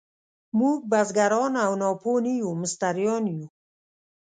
موږ بزګران او ناپوه نه یو، مستریان یو.